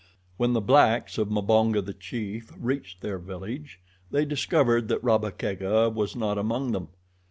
When the blacks of Mbonga, the chief, reached their village they discovered that Rabba Kega was not among them.